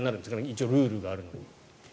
一応ルールがあるのに。